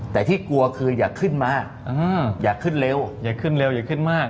แต่ที่กลัวคืออย่าขึ้นมาอย่าขึ้นเร็วอย่าขึ้นเร็วอย่าขึ้นมาก